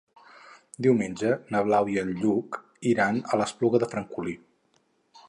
Diumenge na Blau i en Lluc iran a l'Espluga de Francolí.